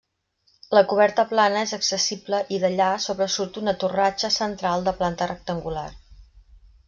La coberta plana és accessible i d'allà sobresurt una torratxa central de planta rectangular.